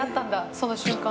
その瞬間。